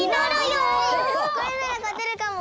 これならかてるかも！